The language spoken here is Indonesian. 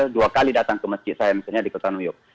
dua kali datang ke masjid saya misalnya di kota new york